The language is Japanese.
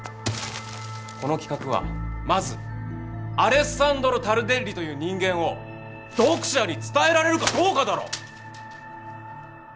この企画はまずアレッサンドロ・タルデッリという人間を読者に伝えられるかどうかだろ！